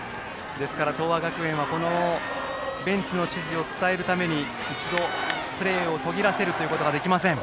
東亜学園はベンチの指示を伝えるために一度、プレーを途切らせることはできません。